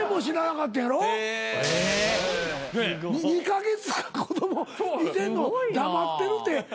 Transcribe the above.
２カ月間子供いてんの黙ってるって。